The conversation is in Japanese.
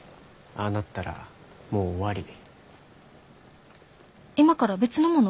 ああなったらもう終わり。